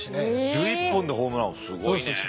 １１本でホームラン王すごいね。